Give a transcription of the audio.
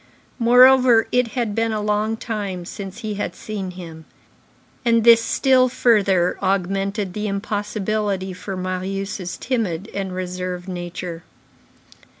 Moreover, it had been a long time since he had seen him; and this still further augmented the impossibility for Marius' timid and reserved nature.